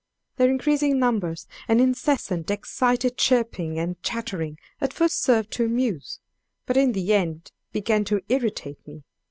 Their increasing numbers and incessant excited chirping and chattering at first served to amuse, but in the end began to irritate me.